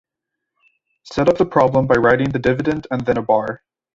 Set up the problem by writing the dividend and then a bar.